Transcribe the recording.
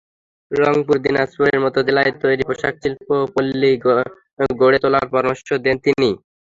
রংপুর, দিনাজপুরের মতো জেলায় তৈরি পোশাকশিল্পপল্লি গড়ে তোলার পরামর্শ দেন তিনি।